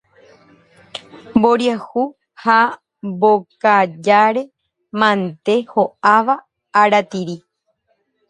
Mboriahu ha mbokajáre mante ho'áva aratiri